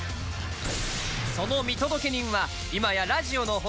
その見届け人は今やラジオの星